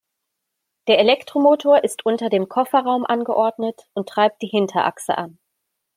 Der Elektromotor ist unter dem Kofferraum angeordnet und treibt die Hinterachse an.